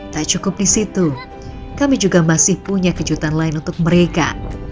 tak cukup di situ kami juga masih punya kejutan lain untuk mereka